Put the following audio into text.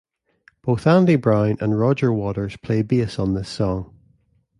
Both Andy Bown and Roger Waters play bass on this song.